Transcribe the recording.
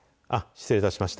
失礼いたしました。